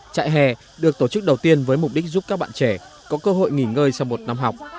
trại hè được tổ chức đầu tiên với mục đích giúp các bạn trẻ có cơ hội nghỉ ngơi sau một năm học